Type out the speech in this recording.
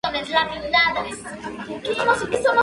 Es la sede de la Eparquía de St.